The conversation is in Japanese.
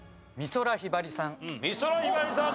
美空ひばりさん